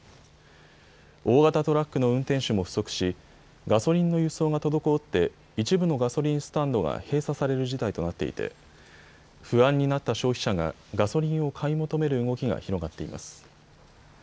大型トラックの運転手も不足しガソリンの輸送が滞って一部のガソリンスタンドが閉鎖される事態となっていて不安になった消費者がガソリンを買い求める動きが広がっています。